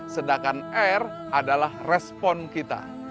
sedangkan r adalah respon kita